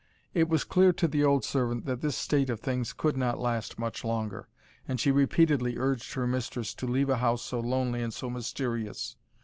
It was clear to the old servant that this state of things could not last much longer, and she repeatedly urged her mistress to leave a house so lonely and so mysterious.